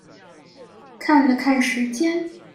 看了看時間